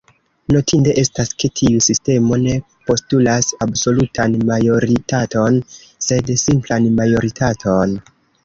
Notinde estas ke tiu sistemo ne postulas absolutan majoritaton sed simplan majoritaton.